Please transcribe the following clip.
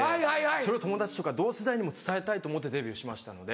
それを友達とか同世代にも伝えたいと思ってデビューしましたので。